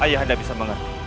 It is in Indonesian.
ayah anda bisa mengerti